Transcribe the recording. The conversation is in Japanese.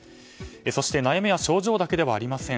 悩みは症状だけではありません。